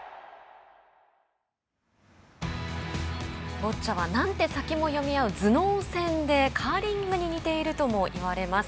ボッチャは何手先も読み合う頭脳戦でカーリングに似ているともいわれます。